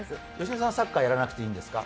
芳根さんはサッカーやらなくていいんですか？